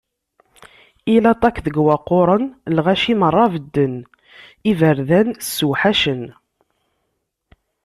I laṭak deg waqquren, lɣaci merra bedden, iberdan sewḥacen.